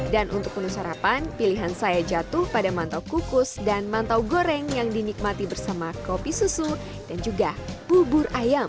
dan untuk penuh sarapan pilihan saya jatuh pada mantau kukus dan mantau goreng yang dinikmati bersama kopi susu dan juga bubur ayam